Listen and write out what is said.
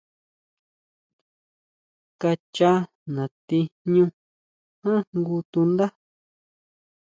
Kachá natí jñú ján jngu tundá.